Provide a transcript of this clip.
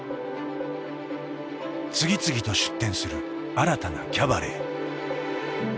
次々と出店する新たなキャバレー。